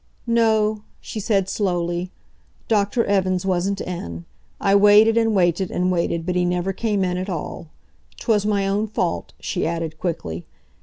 "No," she said slowly, "Doctor Evans wasn't in. I waited, and waited, and waited, but he never came in at all. 'Twas my own fault," she added quickly.